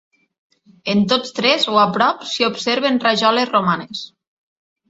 En tots tres o a prop s'hi observen rajoles romanes.